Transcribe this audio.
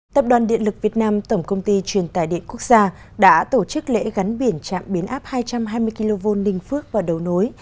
tập đoàn điện lực việt nam tổng công ty truyền tài điện quốc gia đã tổ chức lễ gắn biển trạm biến áp hai trăm hai mươi kv ninh phước vào đầu nối